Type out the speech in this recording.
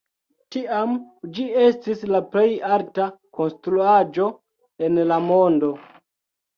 Tiam ĝi estis la plej alta konstruaĵo en la mondo.